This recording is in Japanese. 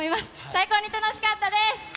最高に楽しかったです。